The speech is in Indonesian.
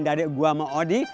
dari gue sama odi